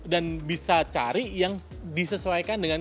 dan bisa cari yang disesuaikan dengan anda